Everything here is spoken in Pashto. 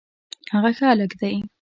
هغه ښه هلک دی